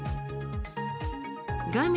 画面